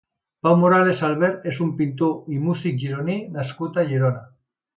Pau Morales Albert és un pintor i músic gironí nascut a Girona.